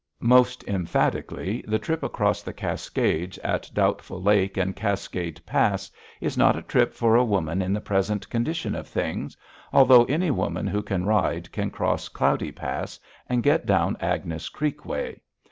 Most emphatically, the trip across the Cascades at Doubtful Lake and Cascade Pass is not a trip for a woman in the present condition of things, although any woman who can ride can cross Cloudy Pass and get down Agnes Creek way.